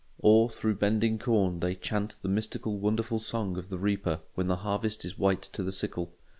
Or through bending corn they chant the mystical wonderful song of the reaper when the harvest is white to the sickle.